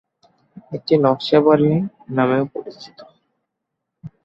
এটি "নকশা বড়ি" নামেও পরিচিত।